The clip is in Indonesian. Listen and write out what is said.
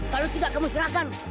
kalau tidak kamu serahkan